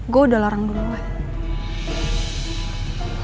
gue udah larang duluan